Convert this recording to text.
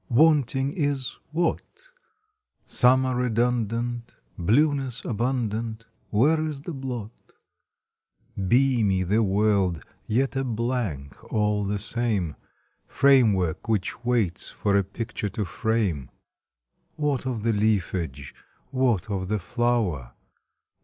Wanting is what? Summer redundant, Blueness abundant, Where is the blot? Beamy the world, yet a blank all the same, Framework which waits for a picture to frame: What of the leafage, what of the flower?